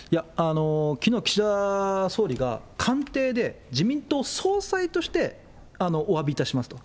きのう、岸田総理が官邸で、自民党総裁としておわびいたしますと。